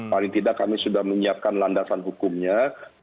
paling tidak kami sudah menyiapkan landasan hukumnya